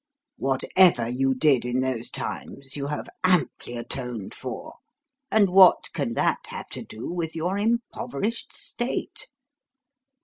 Whatever you did in those times you have amply atoned for. And what can that have to do with your impoverished state?"